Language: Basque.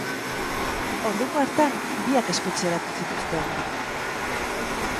Orduko hartan, biak espetxeratu zituzten.